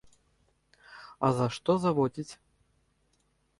А за што заводзіць?